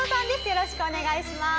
よろしくお願いします。